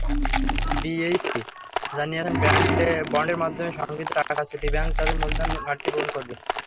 BSEC জানিয়েছে, বন্ডের মাধ্যমে সংগৃহীত টাকায় সিটি ব্যাংক তাদের মূলধন ঘাটতি পূরণ করবে।